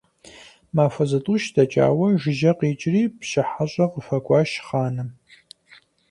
Махуэ зытӀущ дэкӀауэ, жыжьэ къикӀри, пщы хьэщӀэ къыхуэкӀуащ хъаным.